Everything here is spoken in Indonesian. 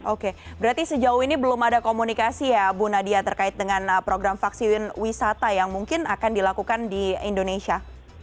oke berarti sejauh ini belum ada komunikasi ya bu nadia terkait dengan program vaksin wisata yang mungkin akan dilakukan di indonesia